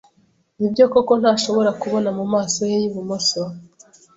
Nibyo koko ntashobora kubona mumaso ye yibumoso?